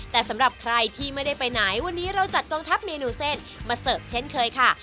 แต่สำหรับใครที่ไม่ได้ไปไหนวันนี้เราจัดกองทัพเมนูเส้นมาเสิร์ฟเช่นเคยค่ะ